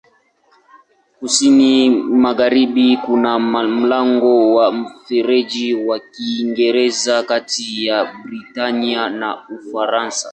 Kusini-magharibi kuna mlango wa Mfereji wa Kiingereza kati ya Britania na Ufaransa.